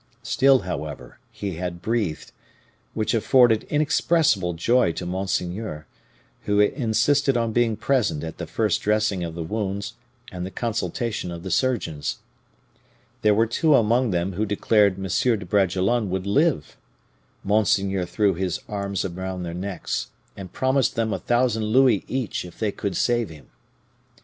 Still, however, he had breathed, which afforded inexpressible joy to monseigneur, who insisted on being present at the first dressing of the wounds and the consultation of the surgeons. There were two among them who declared M. de Bragelonne would live. Monseigneur threw his arms around their necks, and promised them a thousand louis each if they could save him.